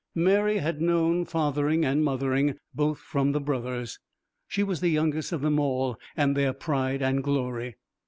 Mary had known fathering and mothering both from the brothers. She was the youngest of them all, and their pride and glory.